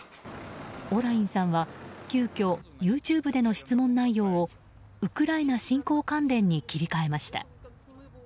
オラインさんは急きょＹｏｕＴｕｂｅでの質問内容をウクライナ侵攻関連に切り替えました。